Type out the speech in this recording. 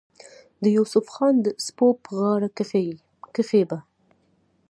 د يوسف خان د سپو پۀ غاړه کښې به